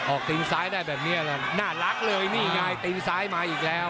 ตีนซ้ายได้แบบนี้แหละน่ารักเลยนี่ไงตีนซ้ายมาอีกแล้ว